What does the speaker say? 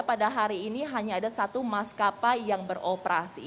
pada hari ini hanya ada satu maskapai yang beroperasi